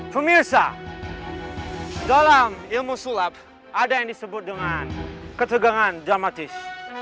pemirsa dalam ilmu sulap ada yang disebut dengan ketegangan dramatis